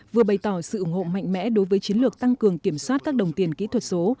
vừa bày tỏ sự ủng hộ mạnh mẽ đối với chiến lược tăng cường kiểm soát các đồng tiền kỹ thuật số